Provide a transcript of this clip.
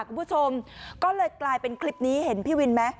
คุณผู้ชมก็เลยกลายเป็นคลิปนี้เห็นพี่วินไหม